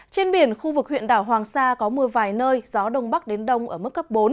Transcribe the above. trên biển khu vực huyện đảo hoàng sa có mưa vài nơi gió đông bắc đến đông ở mức cấp bốn